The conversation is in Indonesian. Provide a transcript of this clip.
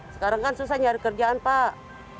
sekarang kan susah nyari kerjaan pak